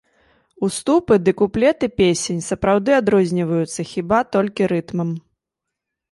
Уступы ды куплеты песень сапраўды адрозніваюцца хіба толькі рытмам.